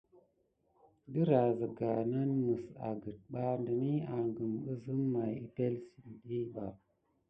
Dərah zəga nan məs agət ɓa dəni agəm əzəm may əpelsən ɗəf ɓa.